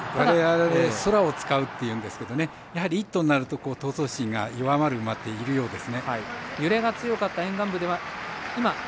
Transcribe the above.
ソラを使うというんですけど１頭になると闘争心が弱まる馬がいるようですね。